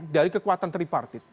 dari kekuatan tripartit